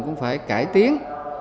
cũng phải cải tiến